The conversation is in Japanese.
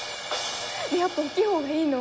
やっぱ大っきいほうがいいの？